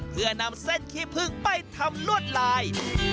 เพื่อนำเส้นขี้พึ่งไปทำลวดลาย